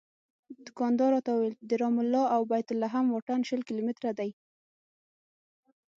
دوکاندار راته وویل د رام الله او بیت لحم واټن شل کیلومتره دی.